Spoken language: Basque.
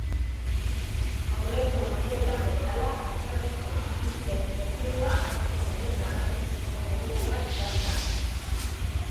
Aurreko urteetan bezala, atzerriko ikusleen kopurua aurten ere nabarmentzeko modukoa izan da.